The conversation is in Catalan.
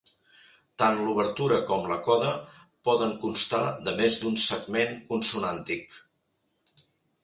Tant l'obertura com la coda poden constar de més d’un segment consonàntic.